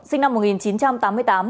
sinh năm một nghìn chín trăm tám mươi tám